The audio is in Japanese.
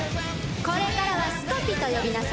これからはすこピと呼びなさい。